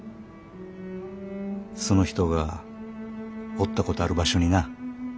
その人がおったことある場所にな。